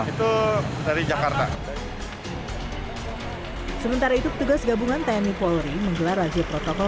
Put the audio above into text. itu dari jakarta sementara itu petugas gabungan tni polri menggelar razia protokol